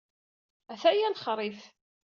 Ataya lexrif.